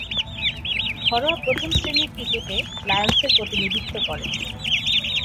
ঘরোয়া প্রথম-শ্রেণীর ক্রিকেটে লায়ন্সের প্রতিনিধিত্ব করেন।